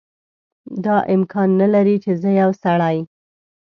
دا امکان نه لري چې زه یو سړی.